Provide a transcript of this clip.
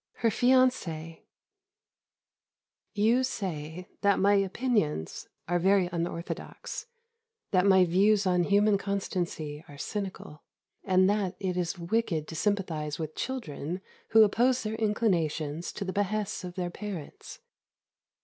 XIII HER FIANCÉ You say that my opinions are very unorthodox, that my views on human constancy are cynical, and that it is wicked to sympathise with children who oppose their inclinations to the behests of their parents.